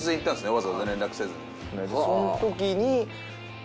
わざわざ連絡せずに。